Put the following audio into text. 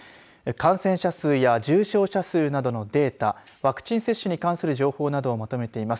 感染者数や重症者数のなどのデータ、ワクチン接種に関する情報などをまとめています。